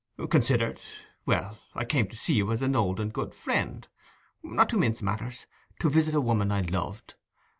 'Considered: well, I came to see you as an old and good friend—not to mince matters, to visit a woman I loved.